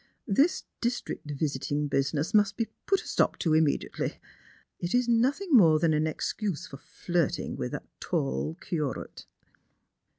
This district visiting business must be put a stop to immediately; it is nothing more than an excuse for flirting with that tall curate."